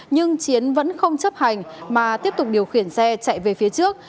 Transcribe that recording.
nhưng chiến vẫn không chấp hành mà tiếp tục điều khiển xe chạy về phía trước